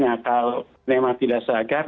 nyatau memang tidak seragam